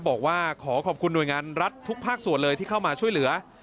บอกว่าขอขอบคุณหน่วยงานรัฐทุกภาคส่วนเลยที่เข้ามาช่วยเหลือ